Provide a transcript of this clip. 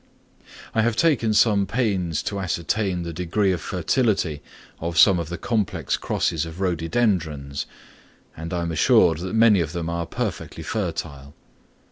I have taken some pains to ascertain the degree of fertility of some of the complex crosses of Rhododendrons, and I am assured that many of them are perfectly fertile.